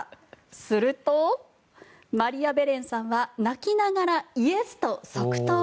すると、マリアベレンさんは泣きながらイエスと即答。